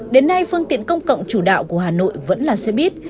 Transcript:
đến nay phương tiện công cộng chủ đạo của hà nội vẫn là xe buýt